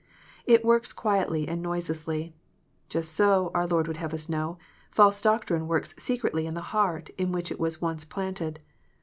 It works quietly and noiselessly ; just so, our Lord would have us know, false doctrine works secretly in the heart in which it is once planted.